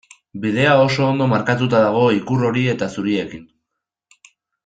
Bidea oso ondo markatuta dago ikur hori eta zuriekin.